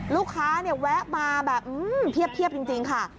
ลูกค้าเนี่ยแวะมาแบบเพียบจริงค่ะ